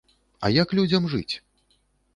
А як людзям жыць?